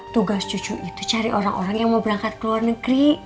tugas cucu itu cari orang orang yang mau berangkat ke luar negeri